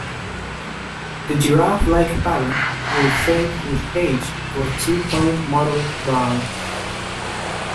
The giraffe-like pattern will fade with age to a two-tone mottled brown.